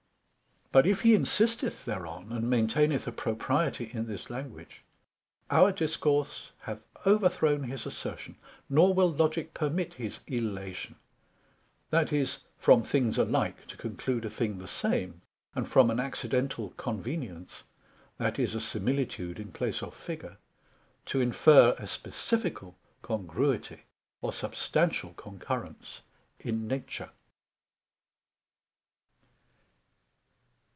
But if he insisteth thereon, and maintaineth a propriety in this language: our discourse hath overthrown his assertion, nor will Logick permit his illation; that is, from things alike, to conclude a thing the same; and from an accidental convenience, that is a similitude in place or figure, to infer a specifical congruity or substantial concurrence in Nature.